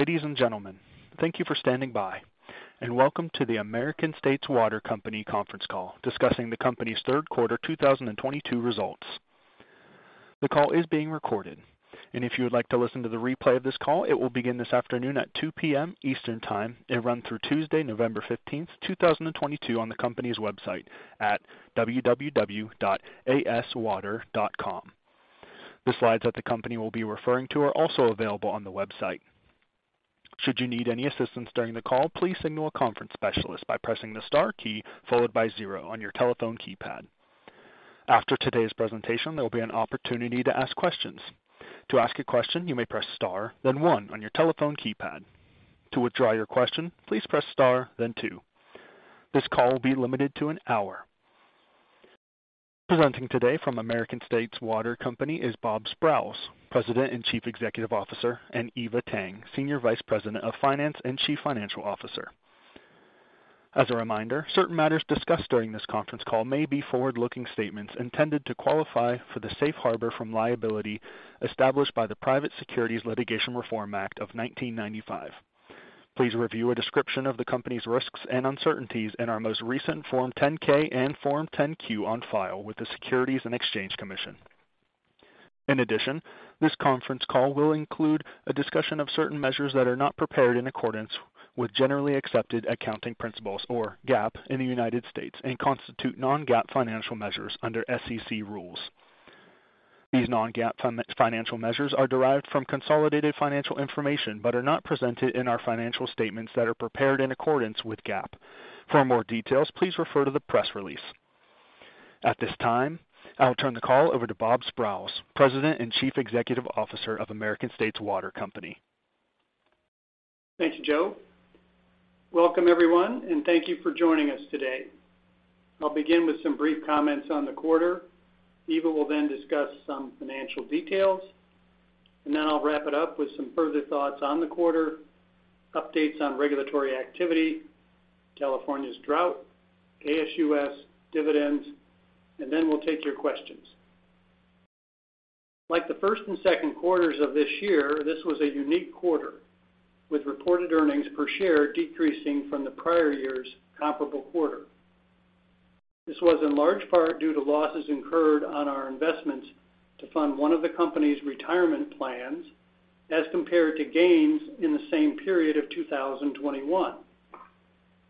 Ladies and gentlemen, thank you for standing by, and welcome to the American States Water Company conference call discussing the company's third quarter 2022 results. The call is being recorded, and if you would like to listen to the replay of this call, it will begin this afternoon at 2:00 P.M. Eastern Time and run through Tuesday, November 15th, 2022, on the company's website at www.aswater.com. The slides that the company will be referring to are also available on the website. Should you need any assistance during the call, please signal a conference specialist by pressing the star key followed by zero on your telephone keypad. After today's presentation, there will be an opportunity to ask questions. To ask a question, you may press star, then one on your telephone keypad. To withdraw your question, please press star, then two. This call will be limited to an hour. Presenting today from American States Water Company is Bob Sprowls, President and Chief Executive Officer, and Eva Tang, Senior Vice President of Finance and Chief Financial Officer. As a reminder, certain matters discussed during this conference call may be forward-looking statements intended to qualify for the safe harbor from liability established by the Private Securities Litigation Reform Act of 1995. Please review a description of the company's risks and uncertainties in our most recent Form 10-K and Form 10-Q on file with the Securities and Exchange Commission. In addition, this conference call will include a discussion of certain measures that are not prepared in accordance with generally accepted accounting principles or GAAP in the United States and constitute non-GAAP financial measures under SEC rules. These non-GAAP financial measures are derived from consolidated financial information, but are not presented in our financial statements that are prepared in accordance with GAAP. For more details, please refer to the press release. At this time, I'll turn the call over to Bob Sprowls, President and Chief Executive Officer of American States Water Company. Thank you, Joe. Welcome, everyone, and thank you for joining us today. I'll begin with some brief comments on the quarter. Eva will then discuss some financial details, and then I'll wrap it up with some further thoughts on the quarter, updates on regulatory activity, California's drought, ASUS dividends, and then we'll take your questions. Like the first and second quarters of this year, this was a unique quarter, with reported earnings per share decreasing from the prior year's comparable quarter. This was in large part due to losses incurred on our investments to fund one of the company's retirement plans as compared to gains in the same period of 2021,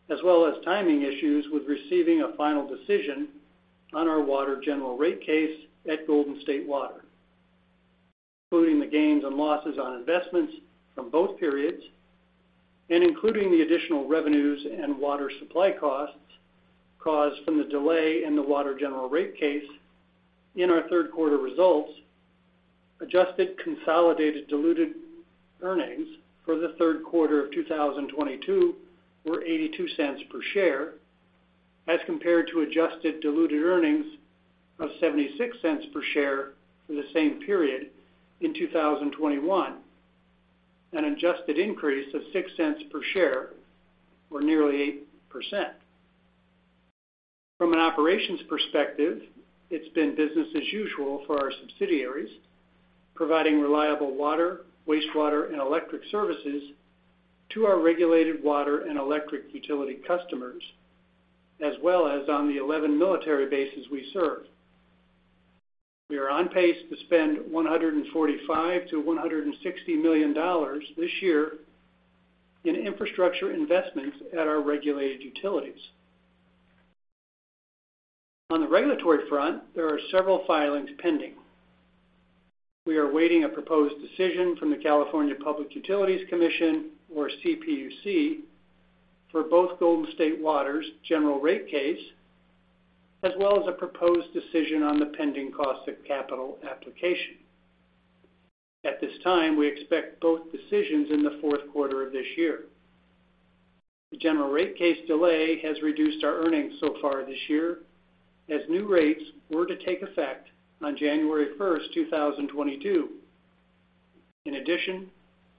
as well as timing issues with receiving a final decision on our water general rate case at Golden State Water. Including the gains and losses on investments from both periods and including the additional revenues and water supply costs caused from the delay in the water general rate case in our third quarter results, adjusted consolidated diluted earnings for the third quarter of 2022 were $0.82 per share, as compared to adjusted diluted earnings of $0.76 per share for the same period in 2021, an adjusted increase of $0.06 per share or nearly 8%. From an operations perspective, it's been business as usual for our subsidiaries, providing reliable water, wastewater, and electric services to our regulated water and electric utility customers, as well as on the 11 military bases we serve. We are on pace to spend $145 million-$160 million this year in infrastructure investments at our regulated utilities. On the regulatory front, there are several filings pending. We are awaiting a proposed decision from the California Public Utilities Commission, or CPUC, for both Golden State Water's general rate case, as well as a proposed decision on the pending cost of capital application. At this time, we expect both decisions in the fourth quarter of this year. The general rate case delay has reduced our earnings so far this year, as new rates were to take effect on January 1, 2022. In addition,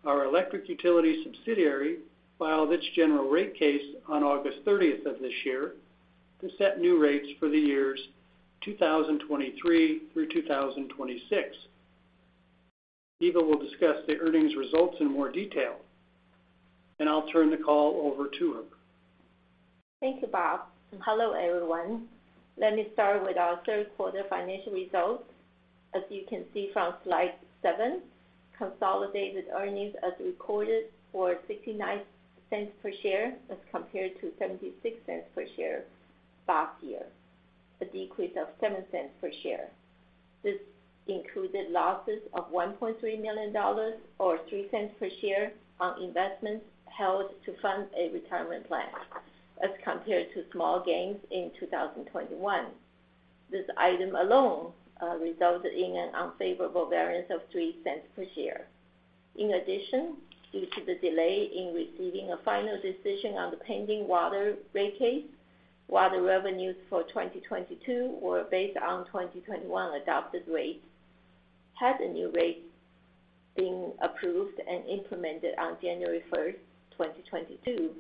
our electric utility subsidiary filed its general rate case on August 30 of this year to set new rates for the years 2023 through 2026. Eva will discuss the earnings results in more detail, and I'll turn the call over to her. Thank you, Bob. Hello, everyone. Let me start with our third quarter financial results. As you can see from slide 7, consolidated earnings as recorded were $0.69 per share as compared to $0.76 per share last year, a decrease of $0.07 per share. This included losses of $1.3 million or $0.03 per share on investments held to fund a retirement plan as compared to small gains in 2021. This item alone resulted in an unfavorable variance of $0.03 per share. In addition, due to the delay in receiving a final decision on the pending water rate case, water revenues for 2022 were based on 2021 adopted rates. Had the new rates been approved and implemented on January 1, 2022,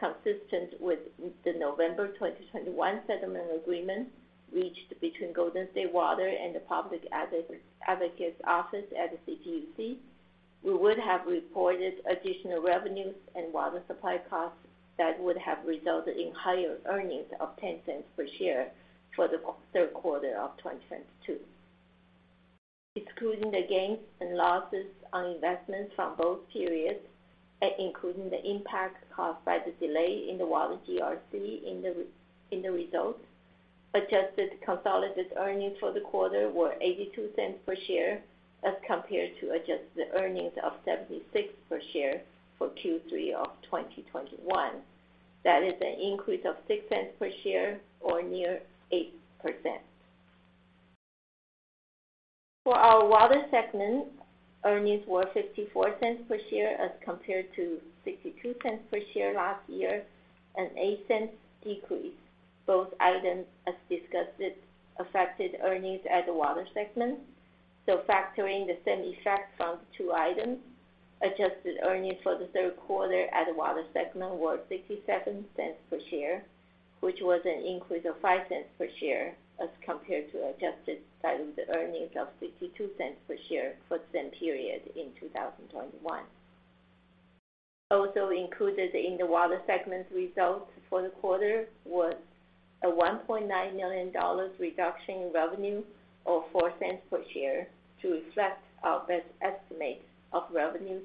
consistent with the November 2021 settlement agreement reached between Golden State Water and the Public Advocates Office at the CPUC, we would have reported additional revenues and water supply costs that would have resulted in higher earnings of $0.10 per share for the third quarter of 2022. Excluding the gains and losses on investments from both periods and including the impact caused by the delay in the water GRC in the results, adjusted consolidated earnings for the quarter were $0.82 per share as compared to adjusted earnings of $0.76 per share for Q3 of 2021. That is an increase of $0.06 per share or near 8%. For our water segment, earnings were $0.54 per share as compared to $0.62 per share last year, an $0.08 decrease. Both items, as discussed, affected earnings at the water segment. Factoring the same effect from the two items, adjusted earnings for the third quarter at the water segment were $0.67 per share, which was an increase of $0.05 per share as compared to adjusted diluted earnings of $0.52 per share for the same period in 2021. Also included in the water segment results for the quarter was a $1.9 million reduction in revenue or $0.04 per share to reflect our best estimate of revenues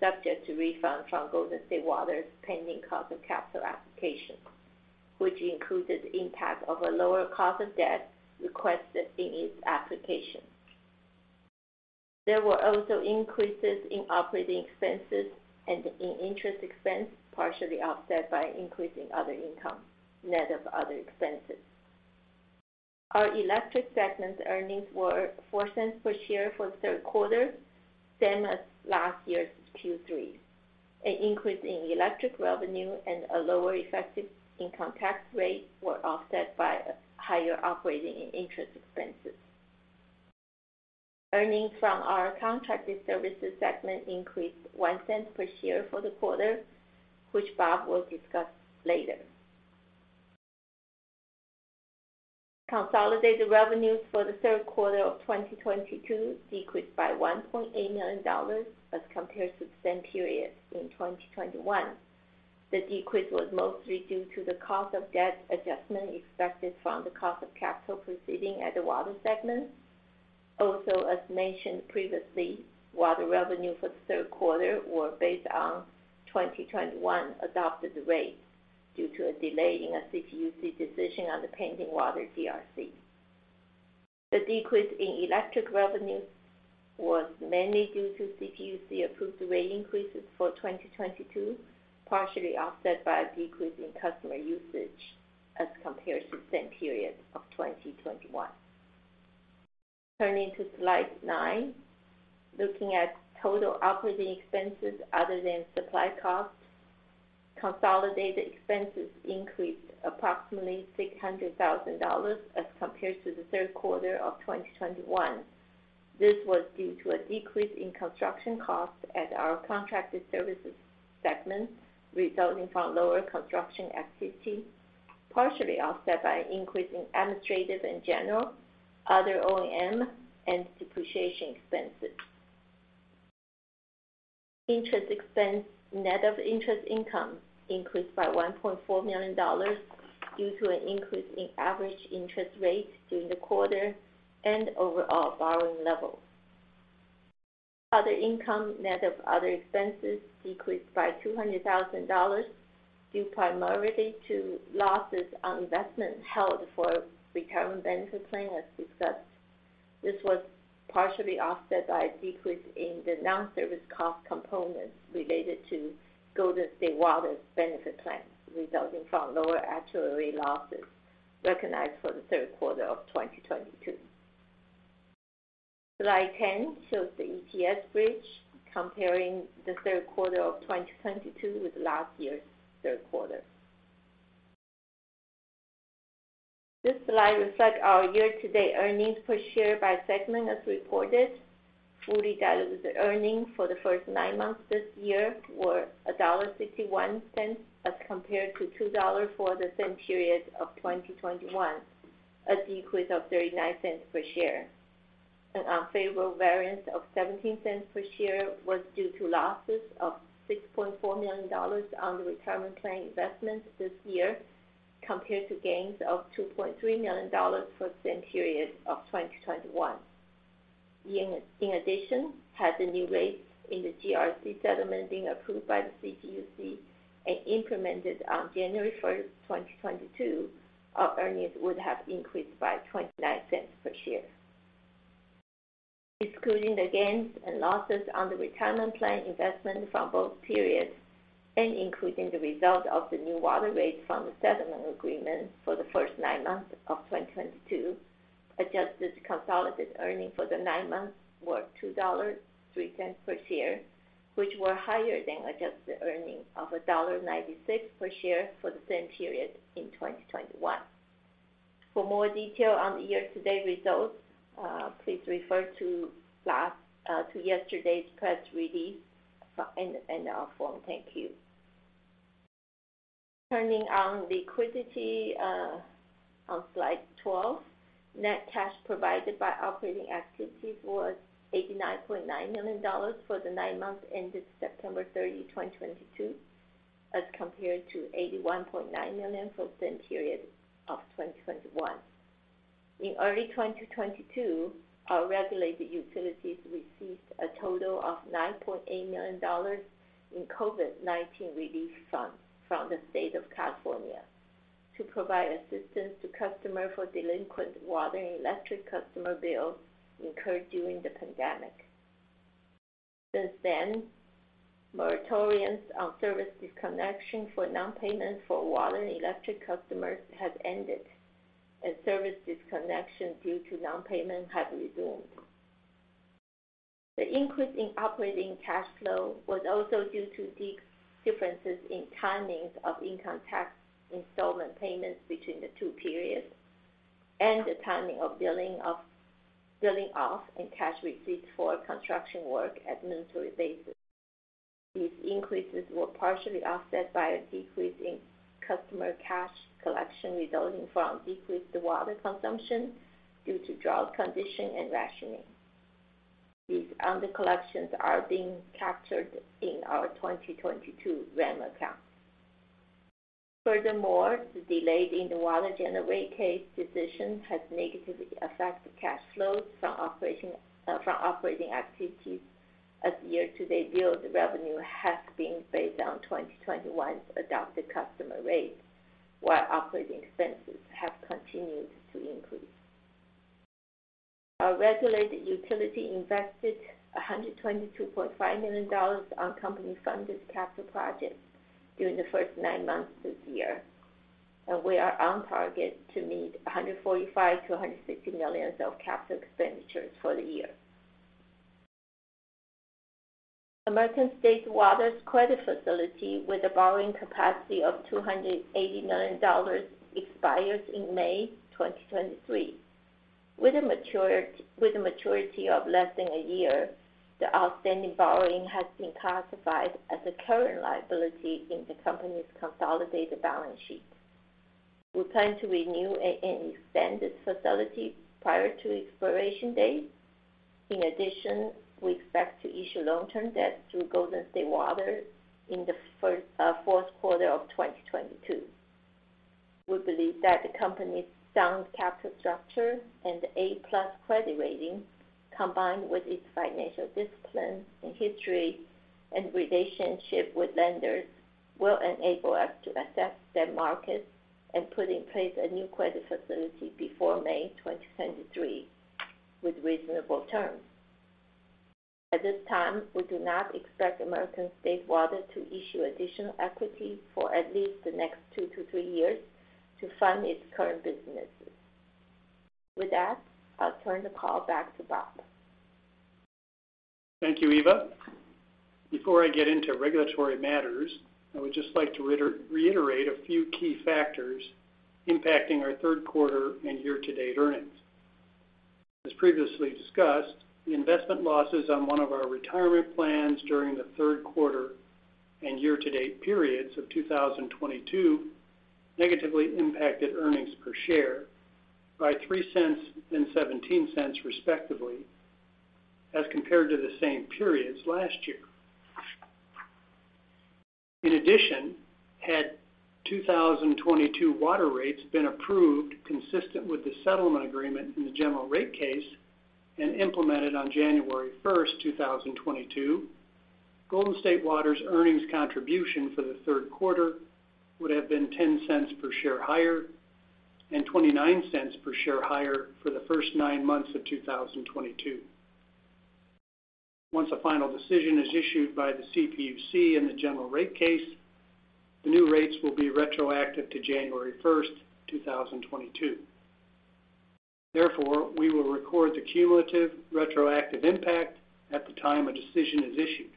subject to refund from Golden State Water's pending cost of capital application, which included impact of a lower cost of debt requested in its application. There were also increases in operating expenses and in interest expense, partially offset by an increase in other income, net of other expenses. Our electric segment earnings were 4 cents per share for the third quarter, same as last year's Q3. An increase in electric revenue and a lower effective income tax rate were offset by higher operating and interest expenses. Earnings from our contracted services segment increased 1 cent per share for the quarter, which Bob will discuss later. Consolidated revenues for the third quarter of 2022 decreased by $1.8 million as compared to the same period in 2021. The decrease was mostly due to the cost of debt adjustment expected from the cost of capital proceeding at the water segment. Also, as mentioned previously, water revenue for the third quarter were based on 2021 adopted rates due to a delay in a CPUC decision on the pending water GRC. The decrease in electric revenues was mainly due to CPUC-approved rate increases for 2022, partially offset by a decrease in customer usage as compared to the same period of 2021. Turning to slide 9. Looking at total operating expenses other than supply costs, consolidated expenses increased approximately $600 thousand as compared to the third quarter of 2021. This was due to a decrease in construction costs at our contracted services segment, resulting from lower construction activity, partially offset by an increase in administrative and general, other O&M, and depreciation expenses. Interest expense, net of interest income, increased by $1.4 million due to an increase in average interest rates during the quarter and overall borrowing levels. Other income, net of other expenses, decreased by $200 thousand due primarily to losses on investment held for retirement benefit plan, as discussed. This was partially offset by a decrease in the non-service cost component related to Golden State Water's benefit plan, resulting from lower actuarial losses recognized for the third quarter of 2022. Slide 10 shows the EPS bridge comparing the third quarter of 2022 with last year's third quarter. This slide reflects our year-to-date earnings per share by segment as reported. Fully diluted earnings for the first nine months this year were $1.61 as compared to $2 for the same period of 2021, a decrease of $0.39 per share. An unfavorable variance of $0.17 per share was due to losses of $6.4 million on the retirement plan investments this year compared to gains of $2.3 million for the same period of 2021. In addition, had the new rates in the GRC settlement been approved by the CPUC and implemented on January 1, 2022, our earnings would have increased by 29 cents per share. Excluding the gains and losses on the retirement plan investment from both periods and including the result of the new water rates from the settlement agreement for the first nine months of 2022, adjusted consolidated earnings for the nine months were $2.03 per share, which were higher than adjusted earnings of $1.96 per share for the same period in 2021. For more detail on the year-to-date results, please refer to yesterday's press release and our Form 10-K. Turning on liquidity, on slide 12, net cash provided by operating activities was $89.9 million for the nine months ended September 30, 2022, as compared to $81.9 million for the same period of 2021. In early 2022, our regulated utilities received a total of $9.8 million in COVID-19 relief funds from the state of California to provide assistance to customers for delinquent water and electric customer bills incurred during the pandemic. Since then, moratoriums on service disconnection for non-payment for water and electric customers has ended, and service disconnection due to non-payment have resumed. The increase in operating cash flow was also due to differences in timings of income tax installment payments between the two periods, and the timing of billing and cash receipts for construction work on a monthly basis. These increases were partially offset by a decrease in customer cash collection resulting from decreased water consumption due to drought condition and rationing. These under collections are being captured in our 2022 WRAM account. Furthermore, the delay in the water January case decision has negatively affected cash flows from operation, from operating activities as year-to-date billed revenue has been based on 2021's adopted customer rates, while operating expenses have continued to increase. Our regulated utility invested $122.5 million on company-funded capital projects during the first nine months this year, and we are on target to meet $145 million-$150 million of capital expenditures for the year. American States Water's credit facility with a borrowing capacity of $280 million expires in May 2023. With a maturity of less than a year, the outstanding borrowing has been classified as a current liability in the company's consolidated balance sheet. We plan to renew and extend this facility prior to expiration date. In addition, we expect to issue long-term debt through Golden State Water in the fourth quarter of 2022. We believe that the company's sound capital structure and A+ credit rating, combined with its financial discipline and history and relationship with lenders, will enable us to access the markets and put in place a new credit facility before May 2023 with reasonable terms. At this time, we do not expect American States Water to issue additional equity for at least the next 2-3 years to fund its current businesses. With that, I'll turn the call back to Bob. Thank you, Eva. Before I get into regulatory matters, I would just like to reiterate a few key factors impacting our third quarter and year-to-date earnings. As previously discussed, the investment losses on one of our retirement plans during the third quarter and year-to-date periods of 2022 negatively impacted earnings per share by $0.03 and $0.17, respectively, as compared to the same periods last year. In addition, had 2022 water rates been approved consistent with the settlement agreement in the general rate case and implemented on January 1, 2022, Golden State Water's earnings contribution for the third quarter would have been $0.10 per share higher and $0.29 per share higher for the first nine months of 2022. Once a final decision is issued by the CPUC in the general rate case, the new rates will be retroactive to January 1, 2022. Therefore, we will record the cumulative retroactive impact at the time a decision is issued.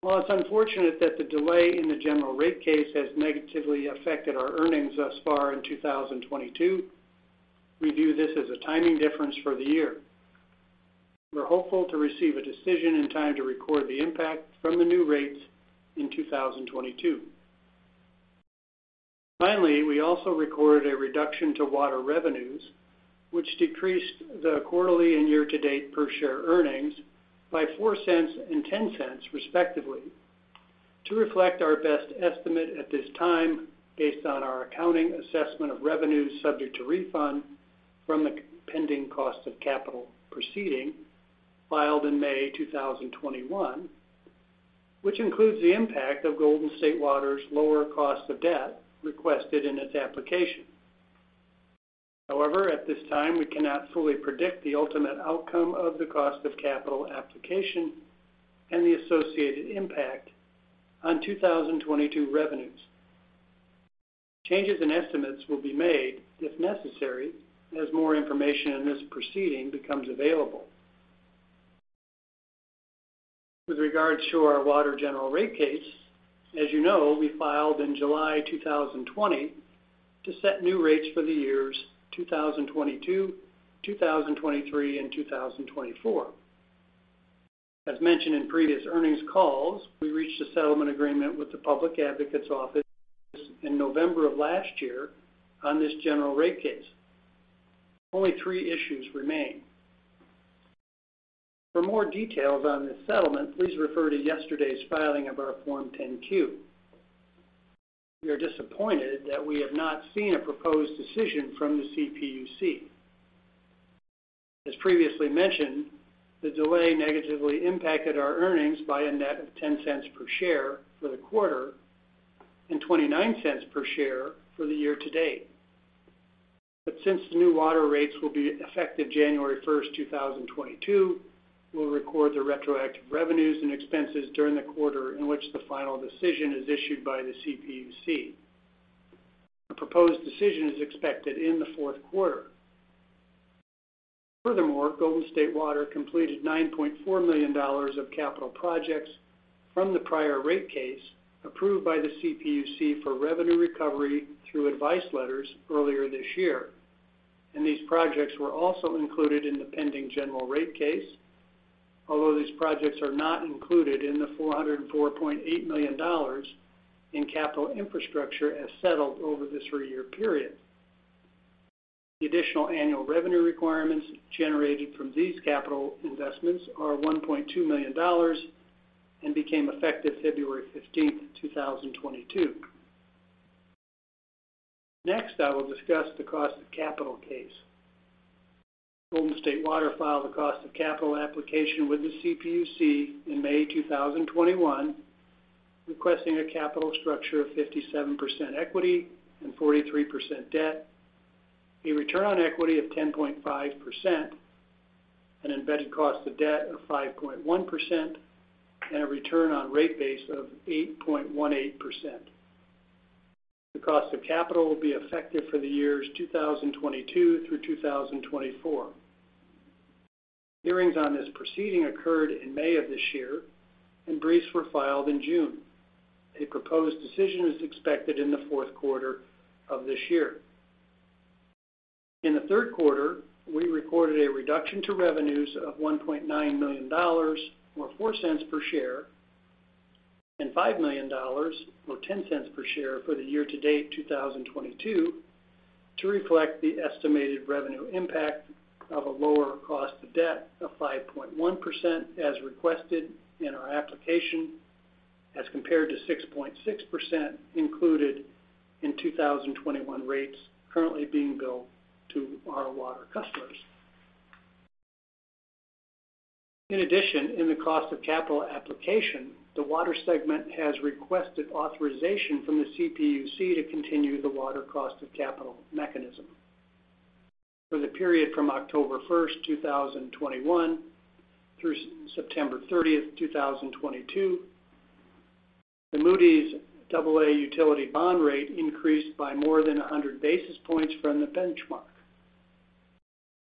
While it's unfortunate that the delay in the general rate case has negatively affected our earnings thus far in 2022, we view this as a timing difference for the year. We're hopeful to receive a decision in time to record the impact from the new rates in 2022. Finally, we also recorded a reduction to water revenues, which decreased the quarterly and year-to-date per share earnings by $0.04 and $0.10, respectively, to reflect our best estimate at this time based on our accounting assessment of revenues subject to refund from the pending cost of capital proceeding filed in May 2021, which includes the impact of Golden State Water's lower cost of debt requested in its application. However, at this time, we cannot fully predict the ultimate outcome of the cost of capital application and the associated impact on 2022 revenues. Changes in estimates will be made, if necessary, as more information in this proceeding becomes available. With regards to our water general rate case, as you know, we filed in July 2020 to set new rates for the years 2022, 2023, and 2024. As mentioned in previous earnings calls, we reached a settlement agreement with the Public Advocates Office in November of last year on this general rate case. Only three issues remain. For more details on this settlement, please refer to yesterday's filing of our Form 10-Q. We are disappointed that we have not seen a proposed decision from the CPUC. As previously mentioned, the delay negatively impacted our earnings by a net of $0.10 per share for the quarter and $0.29 per share for the year to date. since the new water rates will be effective January 1, 2022, we'll record the retroactive revenues and expenses during the quarter in which the final decision is issued by the CPUC. The proposed decision is expected in the fourth quarter. Furthermore, Golden State Water Company completed $9.4 million of capital projects from the prior rate case approved by the CPUC for revenue recovery through advice letters earlier this year. these projects were also included in the pending general rate case, although these projects are not included in the $404.8 million in capital infrastructure as settled over the three-year period. The additional annual revenue requirements generated from these capital investments are $1.2 million and became effective February 15, 2022. Next, I will discuss the cost of capital case. Golden State Water filed a cost of capital application with the CPUC in May 2021, requesting a capital structure of 57% equity and 43% debt, a return on equity of 10.5%, an embedded cost of debt of 5.1%, and a return on rate base of 8.18%. The cost of capital will be effective for the years 2022 through 2024. Hearings on this proceeding occurred in May of this year and briefs were filed in June. A proposed decision is expected in the fourth quarter of this year. In the third quarter, we recorded a reduction to revenues of $1.9 million or $0.04 per share, and $5 million or $0.10 per share for the year-to-date 2022 to reflect the estimated revenue impact of a lower cost of debt of 5.1% as requested in our application, as compared to 6.6% included in 2021 rates currently being billed to our water customers. In addition, in the cost of capital application, the water segment has requested authorization from the CPUC to continue the water cost of capital mechanism. For the period from October 1, 2021 through September 30, 2022, the Moody's AA utility bond rate increased by more than 100 basis points from the benchmark.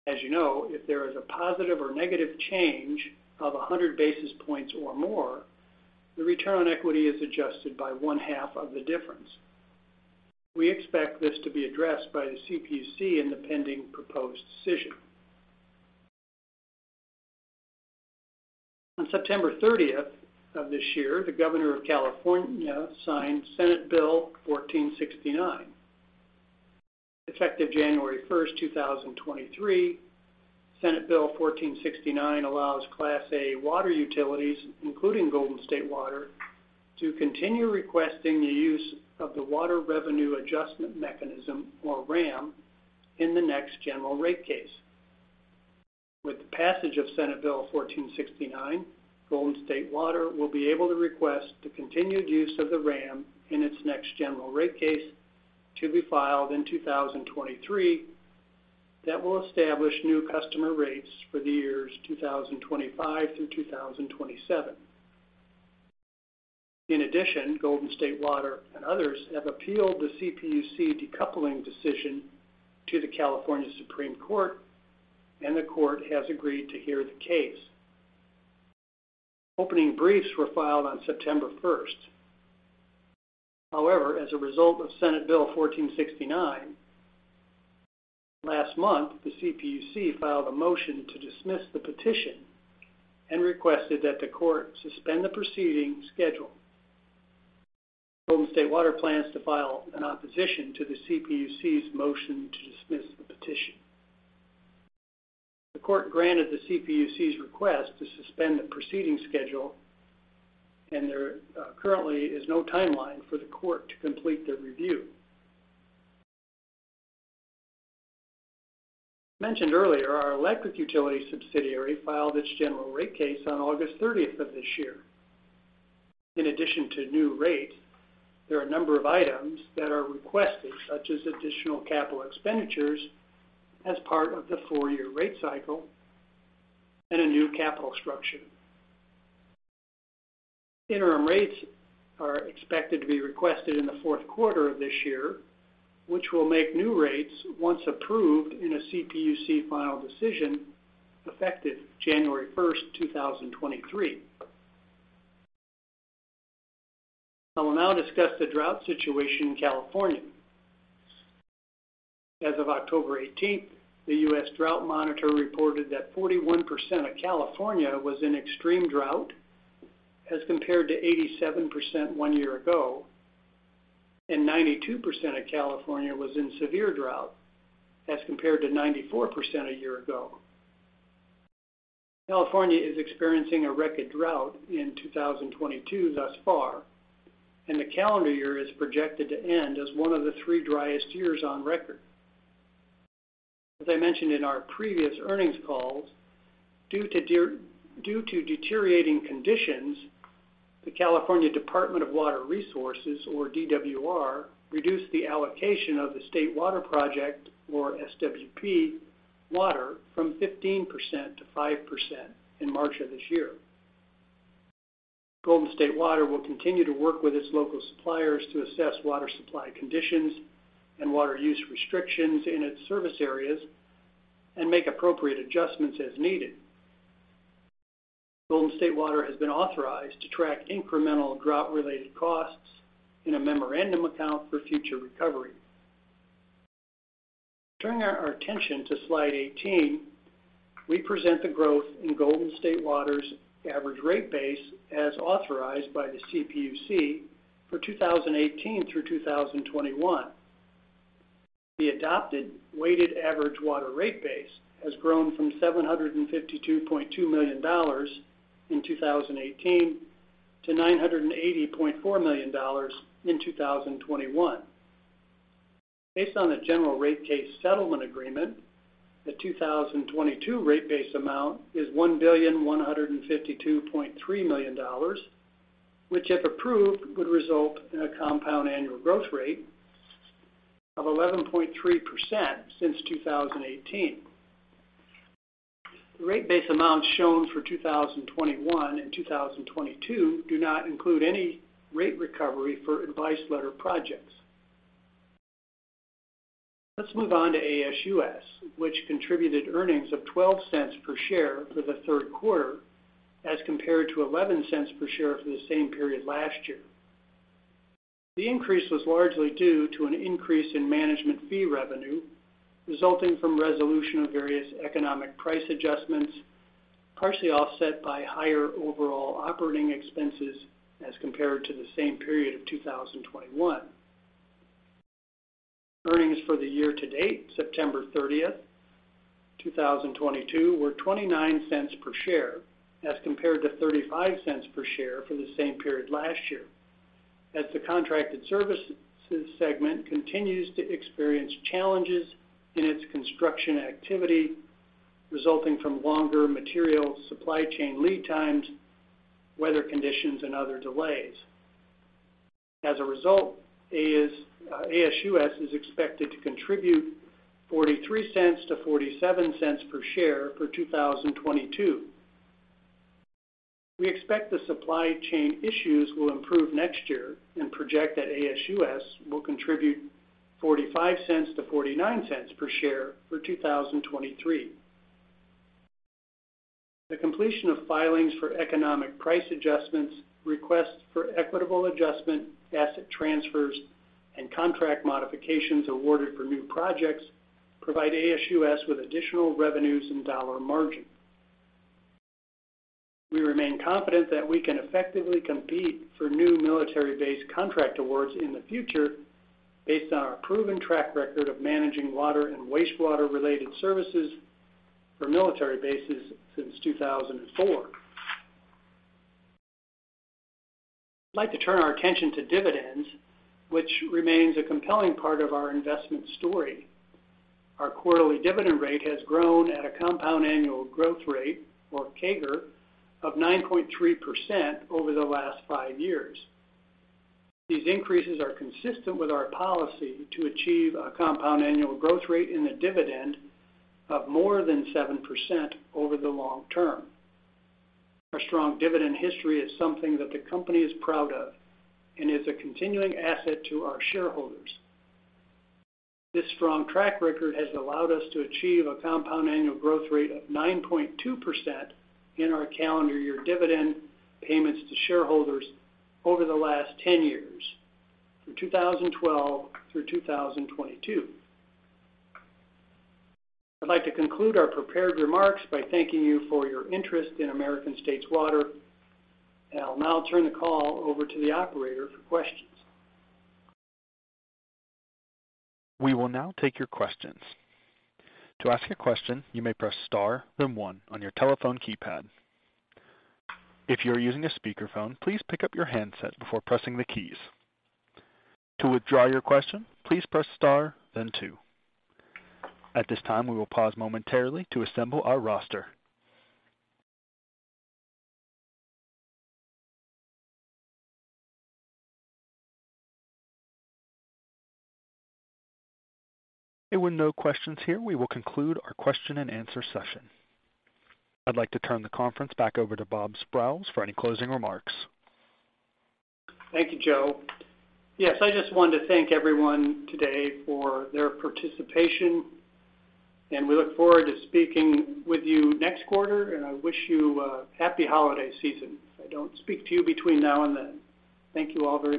As you know, if there is a positive or negative change of 100 basis points or more, the return on equity is adjusted by one-half of the difference. We expect this to be addressed by the CPUC in the pending proposed decision. On September 30 of this year, the Governor of California signed Senate Bill 1469. Effective January 1, 2023, Senate Bill 1469 allows Class A water utilities, including Golden State Water, to continue requesting the use of the Water Revenue Adjustment Mechanism, or WRAM, in the next general rate case. With the passage of Senate Bill 1469, Golden State Water will be able to request the continued use of the WRAM in its next general rate case to be filed in 2023 that will establish new customer rates for the years 2025 through 2027. In addition, Golden State Water and others have appealed the CPUC decoupling decision to the California Supreme Court, and the court has agreed to hear the case. Opening briefs were filed on September first. However, as a result of Senate Bill 1469, last month, the CPUC filed a motion to dismiss the petition and requested that the court suspend the proceeding schedule. Golden State Water plans to file an opposition to the CPUC's motion to dismiss the petition. The court granted the CPUC's request to suspend the proceeding schedule, and there currently is no timeline for the court to complete their review. Mentioned earlier, our electric utility subsidiary filed its general rate case on August 30 of this year. In addition to new rate, there are a number of items that are requested, such as additional capital expenditures as part of the 4-year rate cycle and a new capital structure. Interim rates are expected to be requested in the fourth quarter of this year, which will make new rates once approved in a CPUC final decision effective January 1, 2023. I will now discuss the drought situation in California. As of October 18, the U.S. Drought Monitor reported that 41% of California was in extreme drought as compared to 87% one year ago, and 92% of California was in severe drought as compared to 94% a year ago. California is experiencing a record drought in 2022 thus far, and the calendar year is projected to end as one of the three driest years on record. As I mentioned in our previous earnings calls, due to deteriorating conditions, the California Department of Water Resources, or DWR, reduced the allocation of the State Water Project, or SWP, water from 15% to 5% in March of this year. Golden State Water will continue to work with its local suppliers to assess water supply conditions and water use restrictions in its service areas and make appropriate adjustments as needed. Golden State Water Company has been authorized to track incremental drought-related costs in a memorandum account for future recovery. Turning our attention to slide 18, we present the growth in Golden State Water Company's average rate base as authorized by the CPUC for 2018 through 2021. The adopted weighted average water rate base has grown from $752.2 million in 2018 to $980.4 million in 2021. Based on the general rate case settlement agreement, the 2022 rate base amount is $1,152.3 million, which, if approved, would result in a compound annual growth rate of 11.3% since 2018. The rate base amounts shown for 2021 and 2022 do not include any rate recovery for advice letter projects. Let's move on to ASUS, which contributed earnings of $0.12 per share for the third quarter as compared to $0.11 per share for the same period last year. The increase was largely due to an increase in management fee revenue resulting from resolution of various economic price adjustments, partially offset by higher overall operating expenses as compared to the same period of 2021. Earnings for the year-to-date September 30, 2022 were $0.29 per share as compared to $0.35 per share for the same period last year, as the contracted services segment continues to experience challenges in its construction activity resulting from longer material supply chain lead times, weather conditions, and other delays. As a result, ASUS is expected to contribute $0.43-$0.47 per share for 2022. We expect the supply chain issues will improve next year and project that ASUS will contribute $0.45-$0.49 per share for 2023. The completion of filings for economic price adjustments, requests for equitable adjustment, asset transfers, and contract modifications awarded for new projects provide ASUS with additional revenues and dollar margin. We remain confident that we can effectively compete for new military-based contract awards in the future based on our proven track record of managing water and wastewater-related services for military bases since 2004. I'd like to turn our attention to dividends, which remains a compelling part of our investment story. Our quarterly dividend rate has grown at a compound annual growth rate, or CAGR, of 9.3% over the last 5 years. These increases are consistent with our policy to achieve a compound annual growth rate in the dividend of more than 7% over the long term. Our strong dividend history is something that the company is proud of and is a continuing asset to our shareholders. This strong track record has allowed us to achieve a compound annual growth rate of 9.2% in our calendar year dividend payments to shareholders over the last 10 years, from 2012 through 2022. I'd like to conclude our prepared remarks by thanking you for your interest in American States Water. I'll now turn the call over to the operator for questions. We will now take your questions. To ask a question, you may press star then one on your telephone keypad. If you are using a speakerphone, please pick up your handset before pressing the keys. To withdraw your question, please press star then two. At this time, we will pause momentarily to assemble our roster. There were no questions here. We will conclude our question and answer session. I'd like to turn the conference back over to Bob Sprowls for any closing remarks. Thank you, Joe. Yes, I just wanted to thank everyone today for their participation, and we look forward to speaking with you next quarter. I wish you a happy holiday season if I don't speak to you between now and then. Thank you all very much.